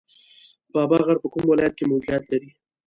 بابا غر په کوم ولایت کې موقعیت لري؟